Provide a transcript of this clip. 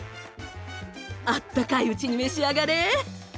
あったかいうちに召し上がれ！